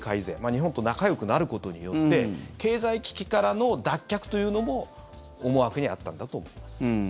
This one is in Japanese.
日本と仲よくなることによって経済危機からの脱却というのも思惑にあったんだと思います。